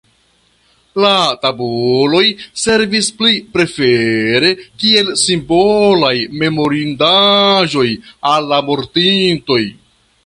La tabuloj servis pli prefere kiel simbolaj memorindaĵoj al la mortintoj.